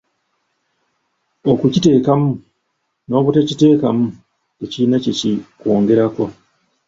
Okukiteekmu n'obutakiteekamu tekirina kye ki kwongerako.